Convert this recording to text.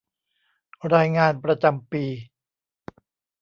รายงานประจำปี